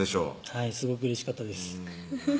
はいすごくうれしかったです